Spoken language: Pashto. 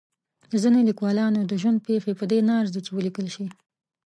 د ځینو لیکوالانو د ژوند پېښې په دې نه ارزي چې ولیکل شي.